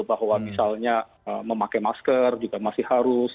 bahwa misalnya memakai masker juga masih harus